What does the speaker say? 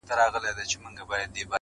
• زموږ دي ژوندون وي د مرګ په خوله کي -